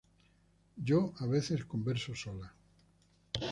Yo a veces converso sola.